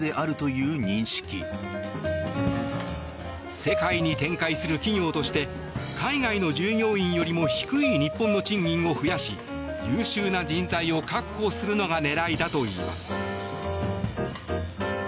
世界に展開する企業として海外の従業員よりも低い日本の賃金を増やし優秀な人材を確保するのが狙いだといいます。